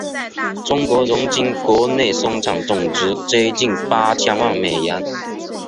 中国人均国内生产总值接近八千万美元。